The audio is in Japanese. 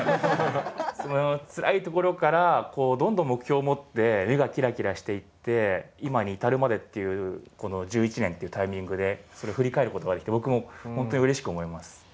そのつらいところからどんどん目標を持って目がキラキラしていって今に至るまでっていうこの１１年というタイミングでそれを振り返ることができて僕も本当にうれしく思います。